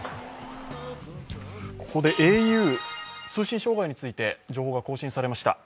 ここでａｕ通信障害について情報が更新されました。